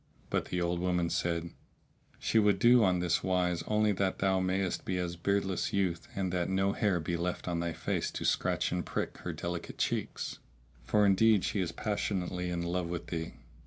But the old woman said, "She would do on this wise only that thou mayst be as a beardless youth and that no hair be left on thy face to scratch and prick her delicate cheeks; for indeed she is passionately in love with thee.